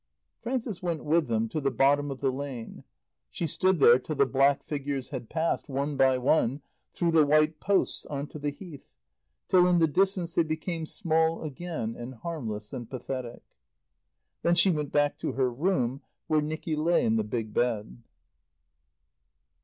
Frances went with them to the bottom of the lane. She stood there till the black figures had passed, one by one, through the white posts on to the Heath, till, in the distance, they became small again and harmless and pathetic. Then she went back to her room where Nicky lay in the big bed.